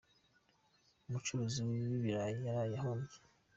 umucuruzi wibirayi yaraye ahombye